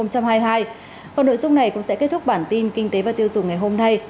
còn nội dung này cũng sẽ kết thúc bản tin kinh tế và tiêu dùng ngày hôm nay